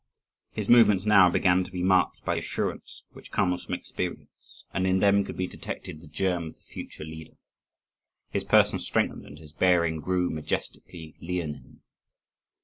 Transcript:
His movements now began to be marked by the assurance which comes from experience, and in them could be detected the germ of the future leader. His person strengthened, and his bearing grew majestically leonine.